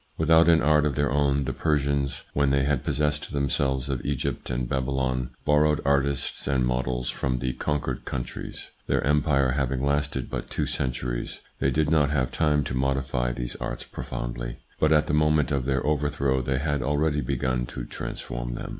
Without an art of their own, the Persians, when they had possessed themselves of Egypt and Babylon, borrowed artists and models from the conquered countries. Their empire having lasted but two centuries, they did not have time to modify these arts profoundly, but at the moment of their overthrow they had already begun to transform them.